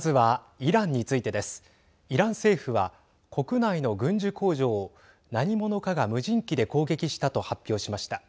イラン政府は国内の軍需工場を何者かが無人機で攻撃したと発表しました。